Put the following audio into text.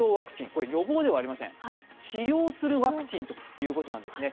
これ予防ではありません、治療するワクチンということなんですね。